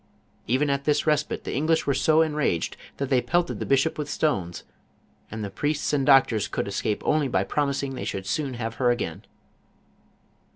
Even at this respite the English were so enraged that they pelted the bishop with stones, and the priests and doctors could escape only by promising they should soon have her again.